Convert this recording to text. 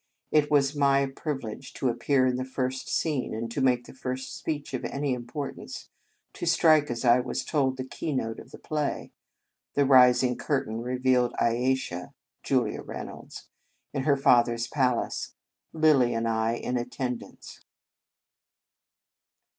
It was my privilege to appear in the first scene, and to make the first speech of any importance, to strike, as I was told, the keynote of the play. The rising curtain re vealed Ayesha (Julia Reynolds) in her father s palace; Lilly and I in attendance.